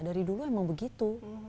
dari dulu emang begitu